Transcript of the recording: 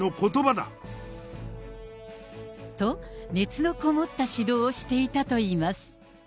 と、熱のこもった指導をしていたといいます。